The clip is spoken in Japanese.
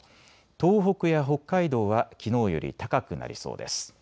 東北や北海道はきのうより高くなりそうです。